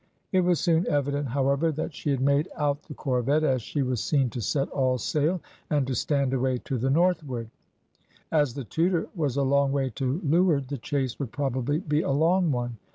It was soon evident, however, that she had made out the corvette, as she was seen to set all sail, and to stand away to the northward: as the Tudor was a long way to leeward, the chase would probably be a long one.